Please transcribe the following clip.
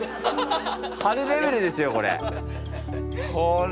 貼るレベルですよこれ。